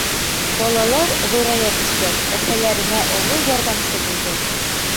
Балалар, ҙурая төшкәс, әсәләренә оло ярҙамсы булды.